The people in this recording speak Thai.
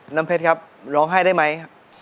น้ำเพชรครับร้องไห้ได้ไหม